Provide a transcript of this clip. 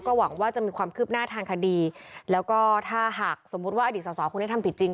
หวังว่าจะมีความคืบหน้าทางคดีแล้วก็ถ้าหากสมมุติว่าอดีตสอสอคนนี้ทำผิดจริง